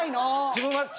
自分は。